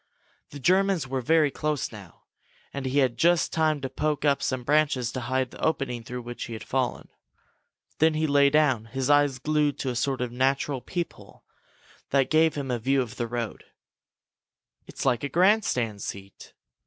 The Germans were very close now and he had just time to poke up some branches to hide the opening through which he had fallen. Then he lay down, his eyes glued to a sort of natural peephole that gave him a view of the road. "It's like a grandstand seat!"